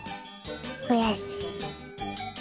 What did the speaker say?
くやしい。